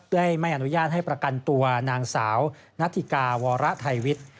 ไม่อนุญาตให้ประกันตัวนางสาวนาธิกาวรไทยวิทย์